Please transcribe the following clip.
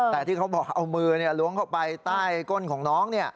แต่ที่เขาบอกเอามือล้วงเข้าไปใต้ก้นของน้อง